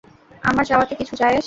আমার চাওয়াতে কিছু যায়আসে?